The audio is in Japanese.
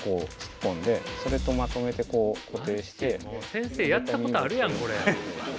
先生やったことあるやんこれ。